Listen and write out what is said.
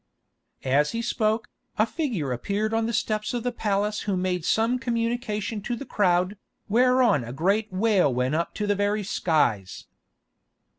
As he spoke, a figure appeared upon the steps of the palace who made some communication to the crowd, whereon a great wail went up to the very skies.